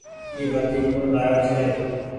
اي بتي ڪوڻ لآيو ڇي۔